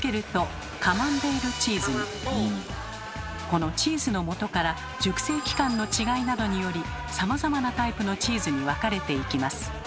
この「チーズのもと」から熟成期間の違いなどによりさまざまなタイプのチーズに分かれていきます。